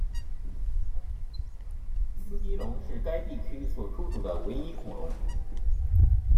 斯基龙是该地区所出土的唯一恐龙。